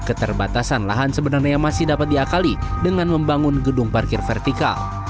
keterbatasan lahan sebenarnya masih dapat diakali dengan membangun gedung parkir vertikal